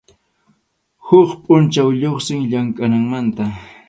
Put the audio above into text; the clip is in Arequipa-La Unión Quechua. Huk pʼunchaw lluqsin llamkʼananmanta.